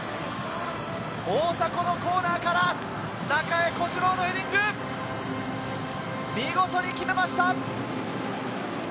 大迫のコーナーから中江小次郎のヘディング、見事に決めました！